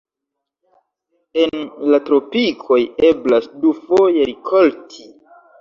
En la tropikoj eblas dufoje rikolti.